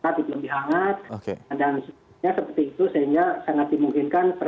tapi lebih hangat dan sebagainya seperti itu sehingga sangat dimungkinkan